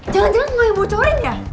jangan jangan mulai bocorin ya